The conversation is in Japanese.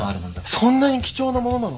そんなに貴重なものなの？